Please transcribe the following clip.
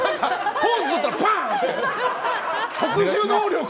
ポーズとったらパーン！